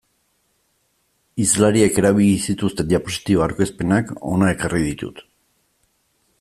Hizlariek erabili zituzten diapositiba aurkezpenak hona ekarri ditut.